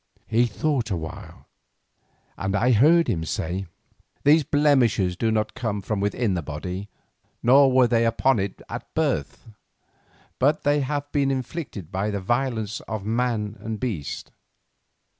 He thought a while, and I heard him say: "The blemishes do not come from within the body, nor were they upon it at birth, but have been inflicted by the violence of man and beast."